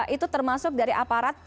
itu termasuk dari aparat